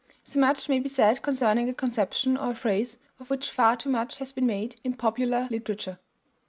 So much may be said concerning a conception or a phrase of which far too much has been made in popular literature.